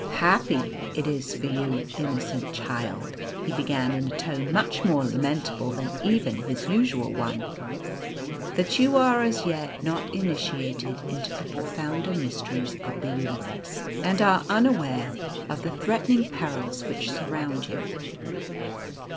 "Happy is it for you, innocent child," he began, in a tone much more lamentable than even his usual one, "that you are as yet not initiated into the profounder mysteries of the universe, and are unaware of the threatening perils which surround you.